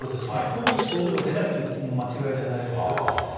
ほぼ症状が出ないといっても間違いではないです。